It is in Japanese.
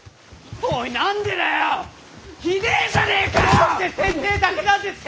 どうして先生だけなんですか！